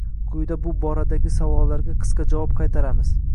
Quyida bu boradagi savollarga qisqacha javob qaytaramiz.